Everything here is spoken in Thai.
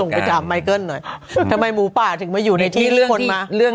เดี๋ยวส่งไปจากไมเคิลหน่อยทำไมหมูปลาถึงมาอยู่ในที่คนมาอาดแดด